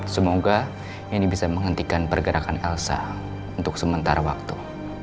semoga ini bisa menghentikan pergerakan elsa untuk sementara waktu